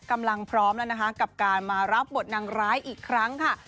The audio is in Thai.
พร้อมแล้วนะคะกับการมารับบทนางร้ายอีกครั้งค่ะ